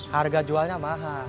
harga jualnya mahal